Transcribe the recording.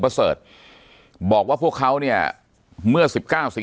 ปากกับภาคภูมิ